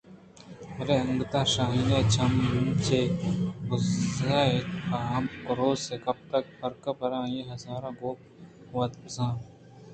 بلےناگتءَ شاہینے ءِ چمّ چہ بُرز ءَ پہ ہمے کُروس ءَ کپت اَنت ءُ پِرکہ پرآئی ءَ ہینژ ءُ آ ئے گوں وت بُرت